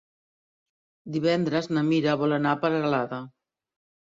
Divendres na Mira vol anar a Peralada.